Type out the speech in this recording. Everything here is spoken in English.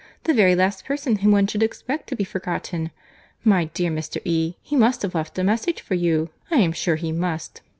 The very last person whom one should expect to be forgotten!—My dear Mr. E., he must have left a message for you, I am sure he must.